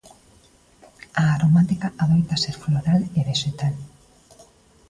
A aromática adoita ser floral e vexetal.